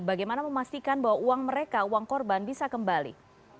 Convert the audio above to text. bagaimana memastikan bahwa uang mereka uang korban bisa kembali